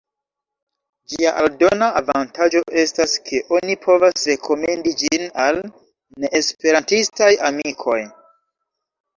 Ĝia aldona avantaĝo estas, ke oni povas rekomendi ĝin al neesperantistaj amikoj.